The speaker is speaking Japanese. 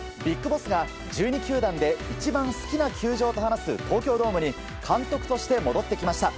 ＢＩＧＢＯＳＳが１２球団で一番好きな球場と話す東京ドームに監督として戻ってきました。